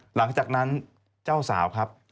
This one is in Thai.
หลังจากนั้นเจ้าสาวครับ